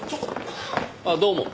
あっどうも。